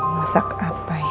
masak apa ya